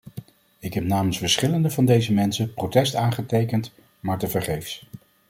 Ik heb namens verschillende van deze mensen protest aangetekend, maar tevergeefs.